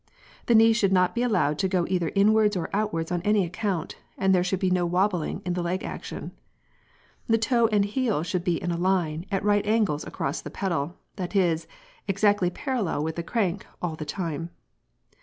The knees should not be allowed to go either inwards or outwards on any account, and there should be no "wobbling" in the leg action. The toe and heel should be in a line, at right angles acrossthe pedal, that is, exactly parallel with the crank all the time.